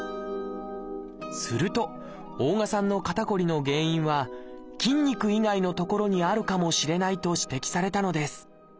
すると大我さんの肩こりの原因は筋肉以外の所にあるかもしれないと指摘されたのです